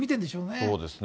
そうですね。